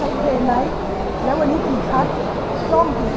เอ่อเครนอยู่ไหนวันนี้ใช้เครนไหม